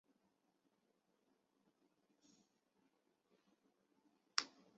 所以丽莎把班德到弗林克教授的实验室。